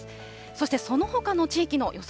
そしてそのほかの地域の予想